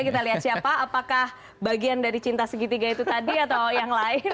kita lihat siapa apakah bagian dari cinta segitiga itu tadi atau yang lain